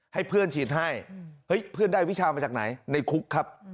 ให้เพื่อนฉีดให้เฮ้ยเพื่อนได้วิชามาจากไหนในคุกครับ